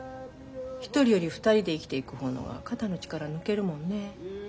１人より２人で生きていく方のが肩の力抜けるもんね。